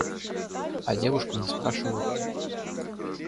А девушку не спрашивают.